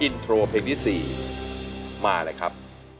อินโทรเพลงที่๔มาเลยครับ